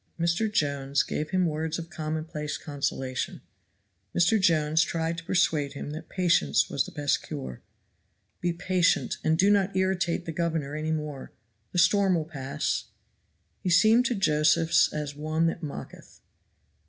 Mr. Jones gave him words of commonplace consolation. Mr. Jones tried to persuade him that patience was the best cure. "Be patient, and do not irritate the governor any more the storm will pass." He seemed to Josephs as one that mocketh.